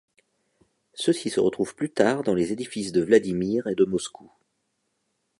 Ceux-ci se retrouvent plus tard dans les édifices de Vladimir et de Moscou.